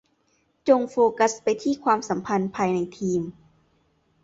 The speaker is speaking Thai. จงโฟกัสไปที่ความสัมพันธ์ภายในทีม